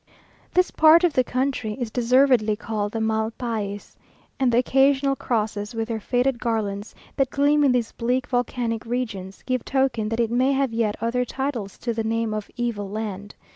This part of the country is deservedly called the Mal Pais, and the occasional crosses with their faded garlands, that gleam in these bleak, volcanic regions, give token that it may have yet other titles to the name of "Evil Land."